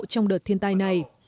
trong đợt thiên tai này